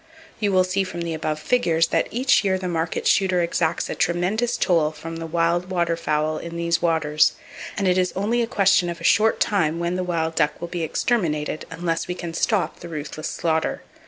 You will see from the above figures that each year the market shooter exacts a tremendous toll from the wild water fowl in these waters, and it is only a question of a short time when the wild duck will be exterminated, unless we can stop the ruthless slaughter.